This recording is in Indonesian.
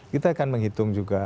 kita akan menghitung juga